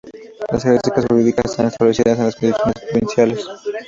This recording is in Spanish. Las características jurídicas están establecidas en las constituciones provinciales.